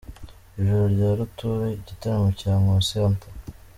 Ijoro rya Rutura igitaramo cya Nkusi Arthur.